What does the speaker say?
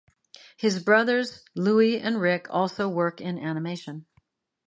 His brothers, Louie and Rick, also work in animation.